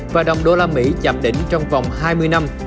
và đồng đô la mỹ giảm đỉnh trong vòng hai mươi năm